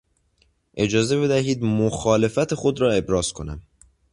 اجازه بدهید مخالفت خود را ابراز کنم!